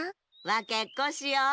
わけっこしよう。